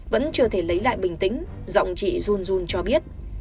vẫn chưa thể lấy lại bình tĩnh giọng chị run run cho biết